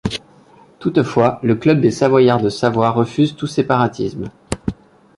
Toutefois, le Club des Savoyards de Savoie refuse tout séparatisme.